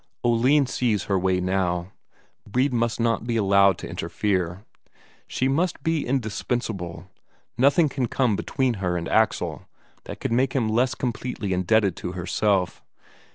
Oline sees her way now; Brede must not be allowed to interfere. She must be indispensable, nothing can come between her and Axel that could make him less completely indebted to herself.